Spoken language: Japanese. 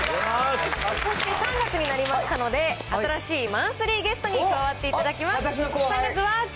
そして３月になりましたので、新しいマンスリーゲストに加わっていただきます。